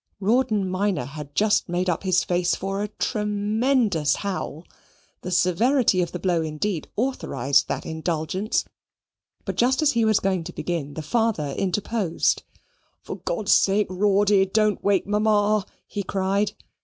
Rawdon minor had made up his face for a tremendous howl the severity of the blow indeed authorized that indulgence; but just as he was going to begin, the father interposed. "For God's sake, Rawdy, don't wake Mamma," he cried.